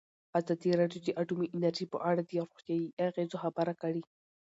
ازادي راډیو د اټومي انرژي په اړه د روغتیایي اغېزو خبره کړې.